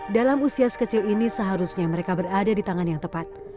dalam usia sekecil ini seharusnya mereka berada di tangan yang tepat